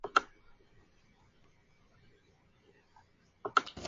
Sin embargo, los cambios anteriores son graduales y livianos.